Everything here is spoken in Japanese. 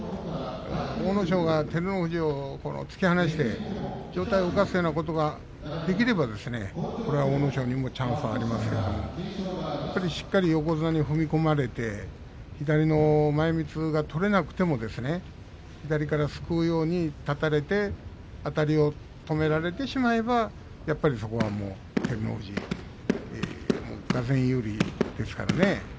阿武咲が照ノ富士を突き放して上体を浮かすようなことができればこれは阿武咲にもチャンスがありますけれどしっかり横綱に踏み込まれて左の前みつが取れなくても左から、すくうように立たれてあたりを止められてしまえばやっぱりそこは照ノ富士がぜん有利ですからね。